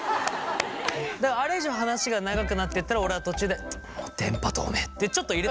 だからあれ以上話が長くなってったら俺は途中で「電波塔め」ってちょっと入れたし。